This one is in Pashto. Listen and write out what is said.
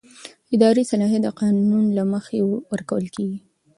اداري صلاحیت د قانون له مخې ورکول کېږي.